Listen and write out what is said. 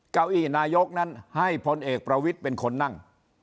เก้าอี้นายกนั้นให้พลเอกประวิทย์เป็นคนนั่ง